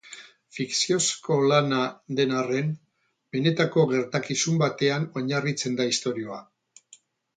Fikziozko lana den arren, benetako gertakizun batean oinarritzen da istorioa.